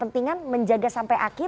kepentingan menjaga sampai akhir